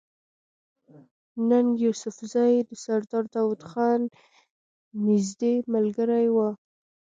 ننګ يوسفزۍ د سردار داود خان نزدې ملګری وو